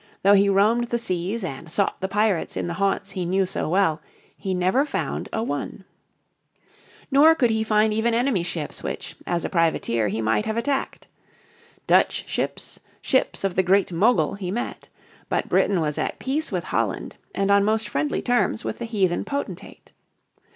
Though he roamed the seas and sought the pirates in the haunts he knew so well he found never a one. Nor could he find even enemy ships which, as a privateer, he might have attacked. Dutch ships, ships of the Great Mogul he met. But Britain was at peace with Holland and on most friendly terms with the heathen potentate.